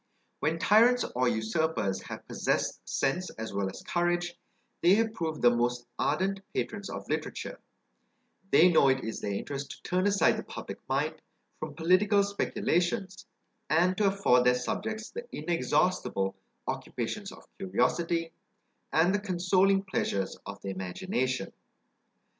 When tyrants, or usurpers, have possessed sense as well as courage, they have proved the most ardent patrons of literature; they know it is their interest to turn aside the public mind from political speculations, and to afford their subjects the inexhaustible occupations of curiosity, and the consoling pleasures of the imagination.